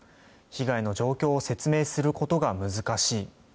被害の状況を説明することが難しい。